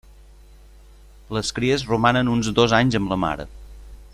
Les cries romanen uns dos anys amb la mare.